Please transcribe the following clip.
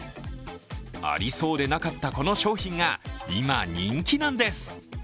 ありそうでなかったこの商品が今、人気なんです。